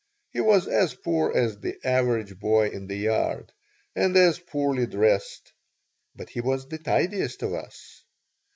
He was as poor as the average boy in the yard and as poorly dressed, but he was the tidiest of us.